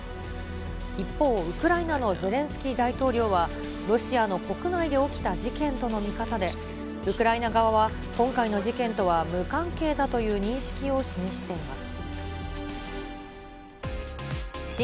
一方、ウクライナのゼレンスキー大統領はロシアの国内で起きた事件との見方で、ウクライナ側は今回の事件とは無関係だという認識を示しています。